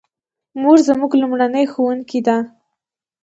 مور زموږ لومړنۍ ښوونکې ده